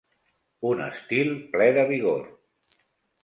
Un estil ple de vigor.